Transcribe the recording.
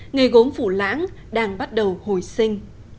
nghề gốm phủ lãng đang bắt đầu hồi xếp